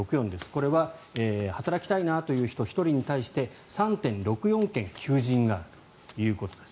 これは働きたいなという人１人に対して３．６４件求人があるということです。